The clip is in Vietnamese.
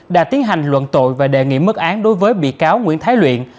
đã tiến hành luận tội và đề nghị mức án đối với bị cáo nguyễn thái luyện